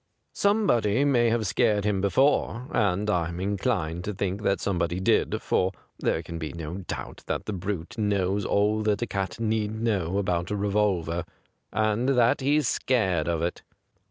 Somebody may have scared him before, and I'm inclined to think that soixiebody did, for there can be no doubt that the brute knows all that a cat need know about a revolver, and that he's scared of it.